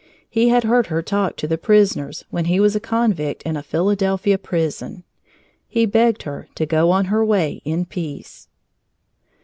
He had heard her talk to the prisoners when he was a convict in a Philadelphia prison! He begged her to go on her way in peace.